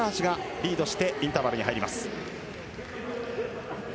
リードしてインターバルに入ります。